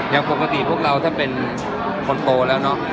อย่างปกติพวกเราถ้าเป็นคนโตแล้วเนอะ